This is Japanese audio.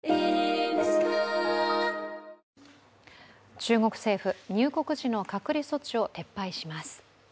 中国政府、入国時の隔離措置を撤廃します。